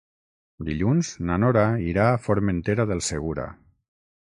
Dilluns na Nora irà a Formentera del Segura.